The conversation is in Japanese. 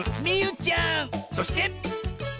そして！